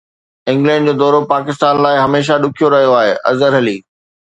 England جو دورو پاڪستان لاءِ هميشه ڏکيو رهيو آهي اظهر علي